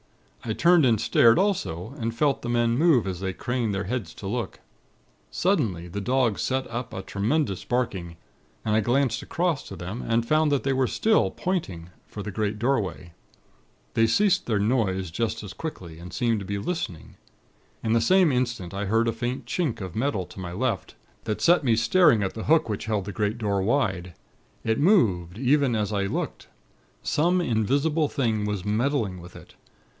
I turned and stared, also, and felt the men move as they craned their heads to look. Suddenly, the dogs set up a tremendous barking, and I glanced across to them, and found they were still 'pointing' for the big doorway. They ceased their noise just as quickly, and seemed to be listening. In the same instant, I heard a faint chink of metal to my left, that set me staring at the hook which held the great door wide. It moved, even as I looked. Some invisible thing was meddling with it.